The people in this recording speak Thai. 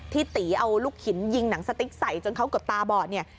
ที่ตีเอาลูกหินยิงหนังสติ๊กใส่จนเขาเกือบตาบอดเนี่ย